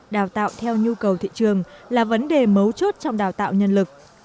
đào tạo theo nhu cầu thị trường là vấn đề mấu chốt trong đào tạo nhân lực